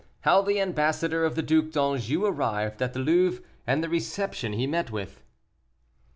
HOW THE AMBASSADOR OF THE DUC D'ANJOU ARRIVED AT THE LOUVRE, AND THE RECEPTION HE MET WITH.